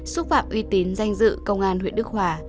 xúc phạm uy tín danh dự công an huyện đức hòa